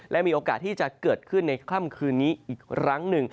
และมีโอกาสที่จะเกิดขึ้นในค่ำคืนนี้อีกครั้งหนึ่ง